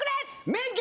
『名曲！